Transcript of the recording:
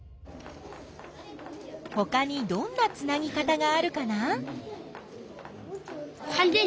ほかにどんなつなぎ方があるかな？